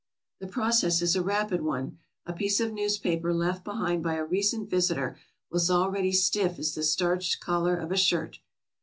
The process is a rapid one ; a piece of newspaper left behind by a recent visitor was already stiff as the starched collar of a shirt.